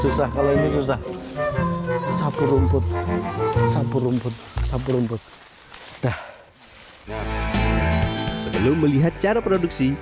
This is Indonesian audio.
susah kalau ini susah sapu rumput sapu rumput sapu rumput dah sebelum melihat cara produksi